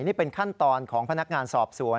นี่เป็นขั้นตอนของพนักงานสอบสวน